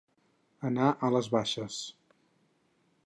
Anar ales baixes.